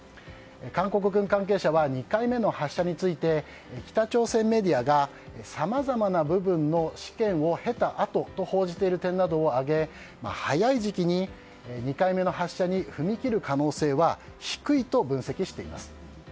韓国軍関係者は２回目の発射について北朝鮮メディアがさまざまな部分の試験を経たあとと報じている点などを挙げ早い時期に２回目の発射に踏み切る可能性は低いと分析しています。